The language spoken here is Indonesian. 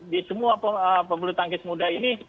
di semua pebulu tangkis muda ini